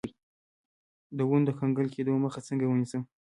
د ونو د کنګل کیدو مخه څنګه ونیسم؟